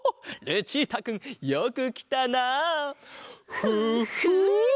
ルチータくんよくきたな。フッフ！